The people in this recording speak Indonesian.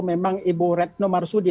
memang ibu retno marsudi